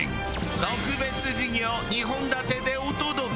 特別授業２本立てでお届け！